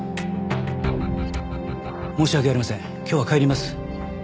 申し訳ありません今日は帰ります。